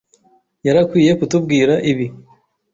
yari akwiye kutubwira ibi.